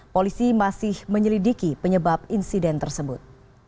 polisi masih menyelidiki penyebab insiden tersebut